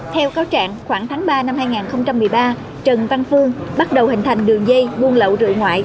theo cáo trạng khoảng tháng ba năm hai nghìn một mươi ba trần văn phương bắt đầu hình thành đường dây buôn lậu rượu ngoại